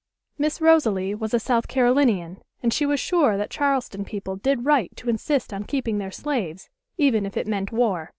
Miss Rosalie was a South Carolinian, and she was sure that Charleston people did right to insist on keeping their slaves, even if it meant war.